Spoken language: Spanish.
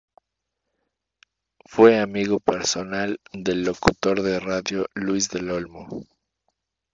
Fue amigo personal del locutor de radio Luis del Olmo.